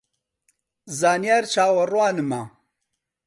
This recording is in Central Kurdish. زانیار چاوەڕوانمە